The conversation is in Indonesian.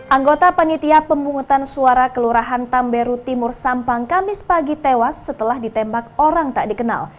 anggota panitia pemungutan suara kelurahan tamberu timur sampang kamis pagi tewas setelah ditembak orang tak dikenal